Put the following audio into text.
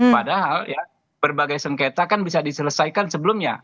padahal ya berbagai sengketa kan bisa diselesaikan sebelumnya